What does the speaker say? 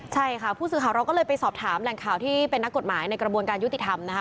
ใช่ค่ะผู้สื่อข่าวเราก็เลยไปสอบถามแหล่งข่าวที่เป็นนักกฎหมายในกระบวนการยุติธรรมนะคะ